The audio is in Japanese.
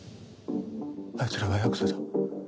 あいつらはヤクザだ。